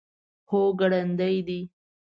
هو، ګړندی دی